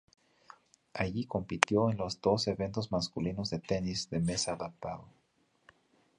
Allí compitió en los dos eventos masculinos de tenis de mesa adaptado.